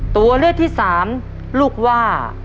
ตัวเลือกที่สามลูกว่า